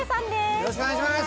よろしくお願いします